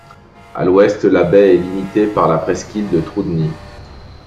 À l'ouest la baie est limitée par la presqu'île de Troudny.